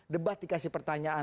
debat dikasih pertanyaan